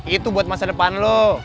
itu buat masa depan lo